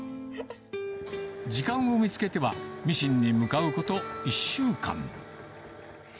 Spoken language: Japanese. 時間を見つけてはミシンに向かうこと１週間。